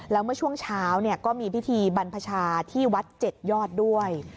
แล้วเมื่อช่วงเช้าก็มีพิธีบรรพชาที่วัด๗ยอดด้วย